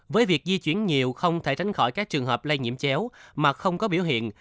với việc di chuyển nhiều không thể tránh khỏi các trường hợp lây nhiễm chéo mà không có biểu hiện